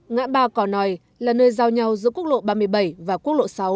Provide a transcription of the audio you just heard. ngã ba cỏ nòi là nơi giao nhau giữa quốc lộ ba mươi bảy và quốc lộ sáu